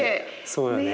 そうよね。